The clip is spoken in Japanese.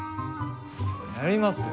やりますよ。